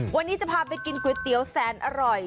วันนี้จะพาไปกินก๋วยเตี๋ยวแสนอร่อย